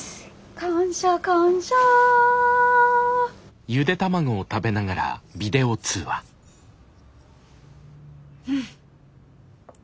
感謝感謝うん。